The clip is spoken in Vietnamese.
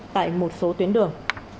tại một số tuyến đường